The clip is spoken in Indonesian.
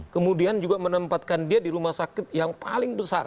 kemudian juga menempatkan dia di rumah sakit yang paling besar